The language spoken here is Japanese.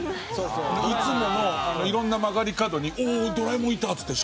いつもの色んな曲がり角に「おおっドラえもんいた！」っつって。